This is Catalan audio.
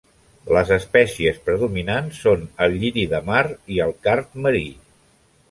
Les espècies predominants són el lliri de mar i el card marí.